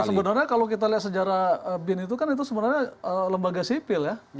sebenarnya kalau kita lihat sejarah bin itu kan itu sebenarnya lembaga sipil ya